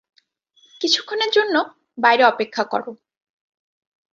কিছুক্ষণের জন্য বাইরে অপেক্ষা করো।